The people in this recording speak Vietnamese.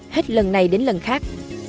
hết lần này đến lần khác